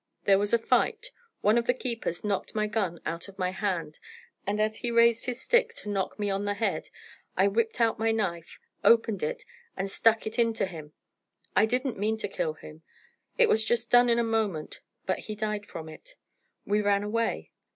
There was a fight. One of the keepers knocked my gun out of my hand, and as he raised his stick to knock me on the head, I whipped out my knife, opened it, and stuck it into him. I didn't mean to kill him, it was just done in a moment; but he died from it. We ran away.